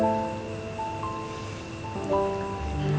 beb cantik tersenyum